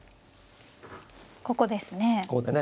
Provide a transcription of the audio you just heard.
ここですね。